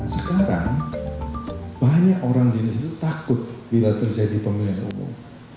sekarang banyak orang di indonesia takut bila terjadi pemilihan umum